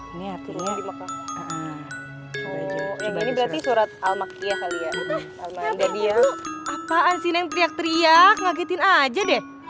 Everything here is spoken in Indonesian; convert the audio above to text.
ini artinya oh ini berarti surat al maqdiyah kali ya apaan sih yang teriak teriak ngagetin aja deh